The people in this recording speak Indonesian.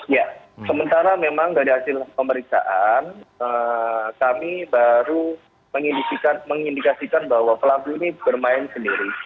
ya sementara memang dari hasil pemeriksaan kami baru mengindikasikan bahwa pelaku ini bermain sendiri